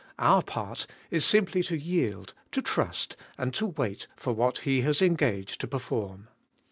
Our part is simply to yield, to trust, and to wait for what He has engaged to perform.